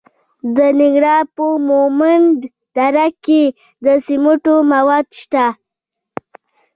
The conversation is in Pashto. د ننګرهار په مومند دره کې د سمنټو مواد شته.